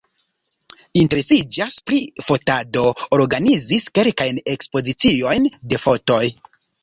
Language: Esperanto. Interesiĝas pri fotado, organizis kelkajn ekspoziciojn de fotoj.